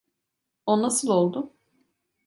O nasıl oldu?